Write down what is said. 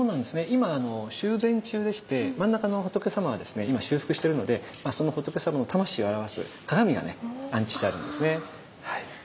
今修繕中でして真ん中の仏さまはですね今修復してるのでそのが安置してあるんですね。